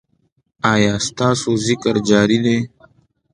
ایا ستاسو ذکر جاری دی؟